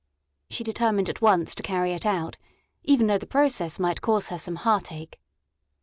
She determined at once to carry it out, even though the process might cause her some heartache.